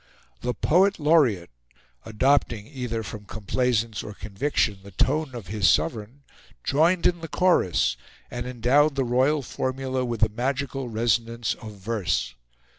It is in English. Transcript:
The Poet Laureate, adopting, either from complaisance or conviction, the tone of his sovereign, joined in the chorus, and endowed the royal formula with the magical resonance of verse.